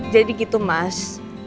jadi gitu mas